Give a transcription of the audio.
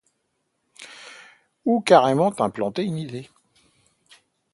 Ou carrément t’implanter une idée.